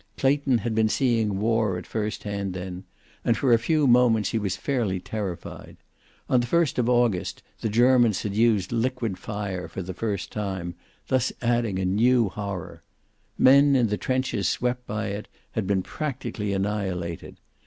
Clayton had been seeing war at first hand then, and for a few moments he was fairly terrified. On that first of August the Germans had used liquid fire for the first time, thus adding a new horror. Men in the trenches swept by it had been practically annihilated.